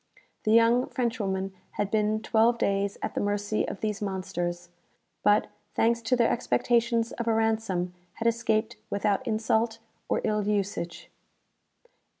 The young Frenchwoman had been twelve days at the mercy of these monsters; but, thanks to their expectations of a ransom, had escaped without insult or ill usage."